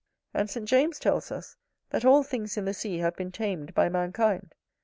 And St. James tells us, that all things in the sea have been tamed by mankind.